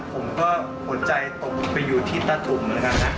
ผมก็หัวใจตกไปอยู่ที่ตาถุ่มนะครับนะ